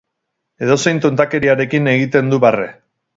Edozein tontakeriarekin egiten du barre.